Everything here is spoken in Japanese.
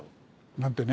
なんてね